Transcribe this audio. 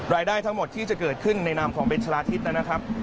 รายได้ทั้งหมดที่จะเกิดขึ้นในนามของเบ็ชะลาทิศนะครับ